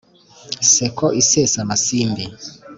Nseko isesa amasimbi,